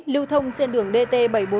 lưu thông trên đường dt bảy trăm bốn mươi